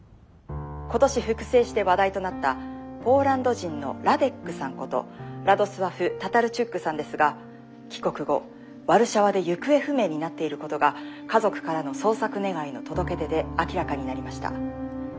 「今年復生して話題となったポーランド人のラデックさんことラドスワフ・タタルチュックさんですが帰国後ワルシャワで行方不明になっていることが家族からの捜索願の届け出で明らかになりました。